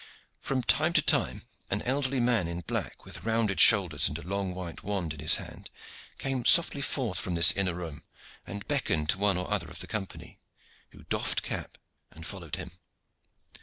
From time to time an elderly man in black with rounded shoulders and a long white wand in his hand came softly forth from this inner room, and beckoned to one or other of the company, who doffed cap and followed him.